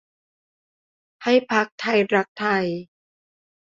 ให้พรรคไทยรักไทย